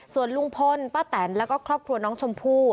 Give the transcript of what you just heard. ส่วนลุงพลป้าแตนแล้วก็ครอบครัวน้องชมพู่